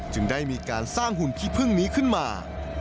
จึงได้มีการสร้างหุ่นขี้พึ่งนี้ขึ้นมา